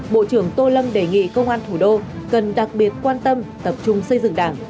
bộ trưởng tô lâm đề nghị công an thủ đô cần đặc biệt quan tâm tập trung xây dựng đảng